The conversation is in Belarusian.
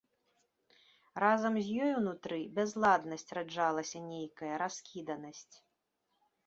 Разам з ёй унутры бязладнасць раджалася нейкая, раскіданасць.